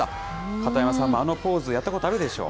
片山さんも、あのポーズやったことあるでしょう？